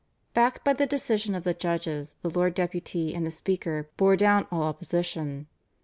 Backed by the decision of the judges, the Lord Deputy and the Speaker bore down all opposition.